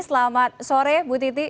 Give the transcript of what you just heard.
selamat sore bu titi